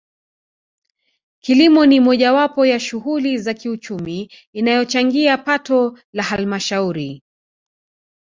Kilimo ni mojawapo ya shughuli za kiuchumi inayochangia pato la Halmashauri